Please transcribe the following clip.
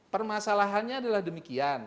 permasalahannya adalah demikian